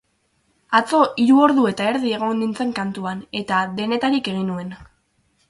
Atzo hiru ordu eta erdi egon nintzen kantuan, eta denetarik egin nuen.